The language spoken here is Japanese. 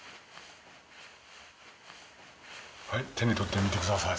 手にとってみてください。